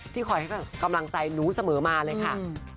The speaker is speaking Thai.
คอยให้กำลังใจหนูเสมอมาเลยค่ะ